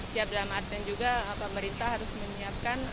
siap dalam artian juga pemerintah harus menyiapkan